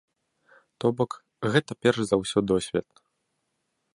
То бок, гэта перш за ўсё досвед.